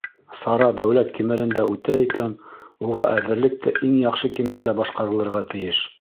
Сара дәүләт кимәлендә үтә икән, уға әҙерлек тә иң яҡшы кимәлдә башҡарылырға тейеш.